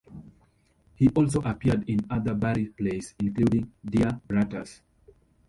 He also appeared in other Barrie plays, including "Dear Brutus".